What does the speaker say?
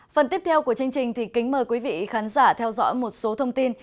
phần tiếp theo của chương trình kính mời quý vị khán giả theo dõi một số thông tin